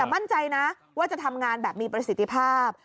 มั่นใจนะว่าจะทำงานแบบมีประสิทธิภาพ